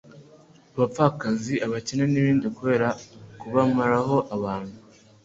abapfakazi, abakene n'ibindi kubera kubamaraho abantu